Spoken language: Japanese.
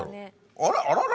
あらららら？